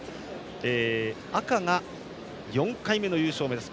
赤が４回目の優勝を目指す。